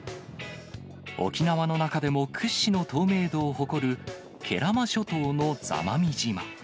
沖縄の中でも屈指の透明度を誇る、慶良間諸島の座間味島。